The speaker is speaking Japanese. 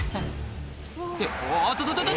「っておっとっと！